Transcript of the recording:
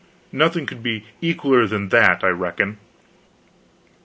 Nothing could be equaler than that, I reckon.